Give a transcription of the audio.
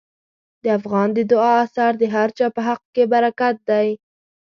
د افغان د دعا اثر د هر چا په حق کې برکت دی.